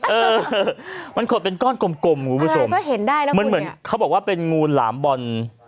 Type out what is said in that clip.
เออมันขดเป็นก้อนกลมหนูชมมันเหมือนเขาบอกว่าเป็นงูหล่ามบร้อน